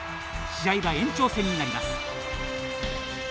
試合は延長戦になります。